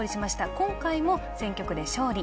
今回も選挙区で勝利。